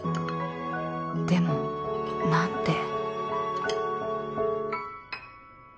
でも何て？